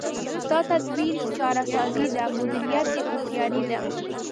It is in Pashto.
ستا تدبیر چاره سازي ده، مدیریت دی هوښیاري ده